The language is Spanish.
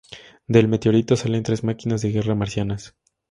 Del meteorito salen tres máquinas de guerra marcianas.